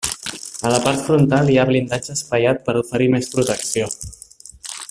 A la part frontal hi ha blindatge espaiat per oferir més protecció.